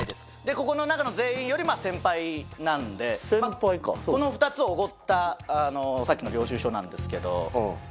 ここの中の全員より先輩なんでこの２つをおごったさっきの領収書なんですけど。